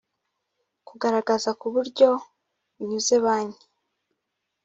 kugaragaza ku buryo bunyuze banki